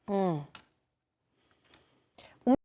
อืม